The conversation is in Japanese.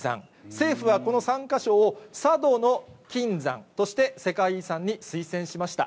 政府は、この３か所を佐渡島の金山として、世界遺産に推薦しました。